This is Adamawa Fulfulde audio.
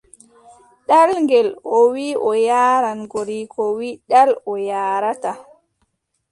Ɗal ngel, o wii o yaaran, goriiko wii : ɗal a yaarataa.